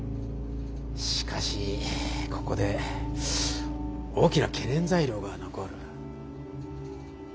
しかしここで大きな懸念材料が残る。